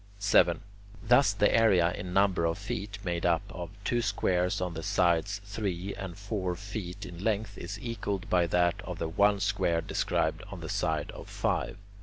7. Thus the area in number of feet made up of the two squares on the sides three and four feet in length is equalled by that of the one square described on the side of five.